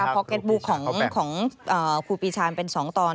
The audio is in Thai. พอเก็ตบุกของครูปีชาเป็น๒ตอน